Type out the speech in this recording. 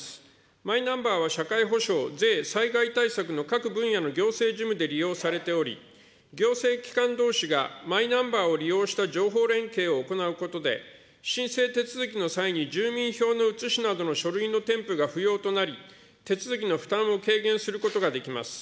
マイナンバーは社会保障、税、災害対策の各分野の行政事務で利用されており、行政機関どうしがマイナンバーを利用した情報連携を行うことで、申請手続きの際に住民票の写しなどの書類の添付が不要となり、手続きの負担を軽減することができます。